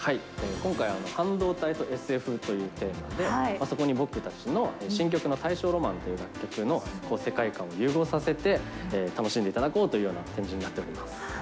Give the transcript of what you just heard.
今回、半導体とＳＦというテーマで、そこに僕たちの新曲の大正浪漫という楽曲の世界観を融合させて、楽しんでいただこうというような展示になっております。